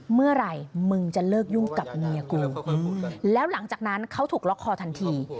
เมื่อไหร่มึงจะเลิกยุ่งกับเมียกูแล้วหลังจากนั้นเขาถูกล็อกคอทันที